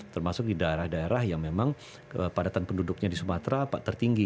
termasuk di daerah daerah yang memang kepadatan penduduknya di sumatera tertinggi